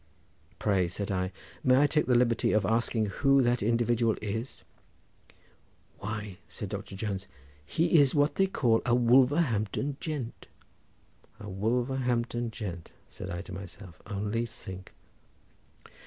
"Pray," said I, "may I take the liberty of asking who that individual is?" "Why," said Doctor Jones, "he is what they call a Wolverhampton gent." "A Wolverhampton gent," said I to myself; "only think!"